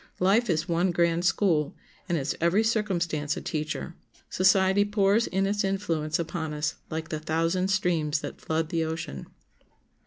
Life is one grand school, and its every circumstance a teacher. Society pours in its influence upon us like the thousand streams that flood the ocean.